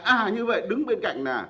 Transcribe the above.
à như vậy đứng bên cạnh nè